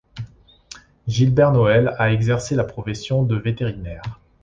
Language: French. Gilbert Noël a exercé la profession de vétérinaire.